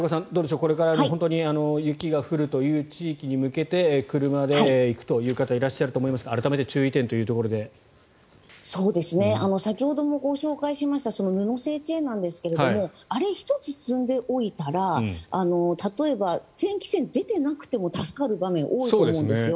これから雪が降る地域に向けて車で行くという方いらっしゃると思いますが先ほどもご紹介しました布製チェーンなんですがあれを１つ積んでおいたら例えばチェーン規制が出ていなくても助かる場面が多いと思うんです。